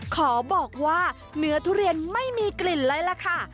ขอบอกว่าเนื้อทุเรียนไม่มีกลิ่นเลยล่ะค่ะ